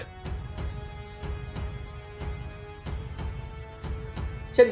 trên cả nước